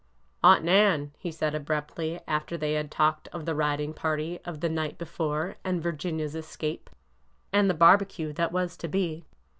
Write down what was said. Aunt Nan," he said abruptly, after they had talked of the riding party of the night before and Virginia's es cape, and of the barbecue that was to be.